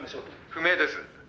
「不明です。